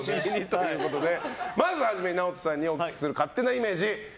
まず初めにＮＡＯＴＯさんにお聞きする勝手なイメージ。